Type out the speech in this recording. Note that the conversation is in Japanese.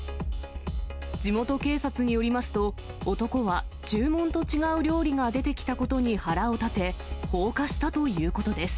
地元警察によりますと、男は注文と違う料理が出てきたことに腹を立て、放火したということです。